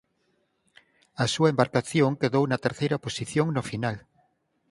A súa embarcación quedou na terceira posición no final.